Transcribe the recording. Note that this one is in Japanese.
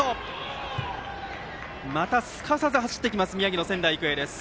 また、すかさず走ってきます宮城の仙台育英です。